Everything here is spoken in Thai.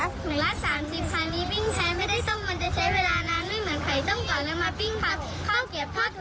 หมู่ละ๓๐พันนี้ปิ้งแท้ไม่ได้ต้มมันจะใช้เวลานาน